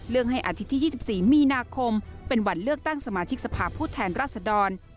ให้อาทิตย์ที่๒๔มีนาคมเป็นวันเลือกตั้งสมาชิกสภาพผู้แทนราชดร